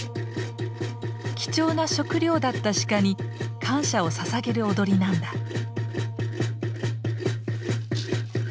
貴重な食糧だったシカに感謝をささげる踊りなんだ。